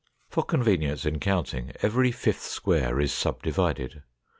For convenience in counting, every fifth space is sub divided.